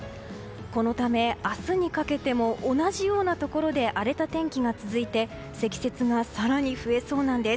このため、明日にかけても同じようなところで荒れた天気が続いて積雪が更に増えそうなんです。